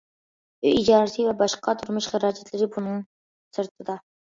ئۆي ئىجارىسى ۋە باشقا تۇرمۇش خىراجەتلىرى بۇنىڭ سىرتىدا.